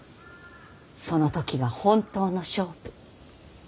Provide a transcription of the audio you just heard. その時が本当の勝負。